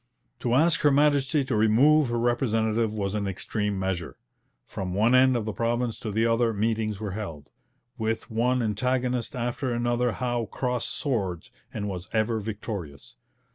To ask Her Majesty to remove her representative was an extreme measure. From one end of the province to the other meetings were held. With one antagonist after another Howe crossed swords, and was ever victorious.